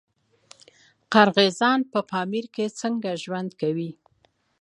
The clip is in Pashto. قرغیزان په پامیر کې څنګه ژوند کوي؟